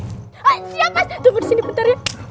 hah siap mas tunggu disini bentar ya